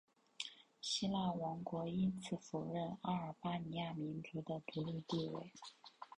希腊王国因此否认阿尔巴尼亚民族的独立地位。